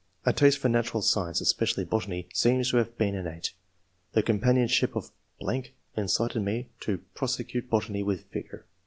A taste for natural science, especially botany, seems to have been innate. The companionship of .... incited me to prosecute botany with vigour.